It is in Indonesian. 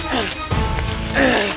akan kau menang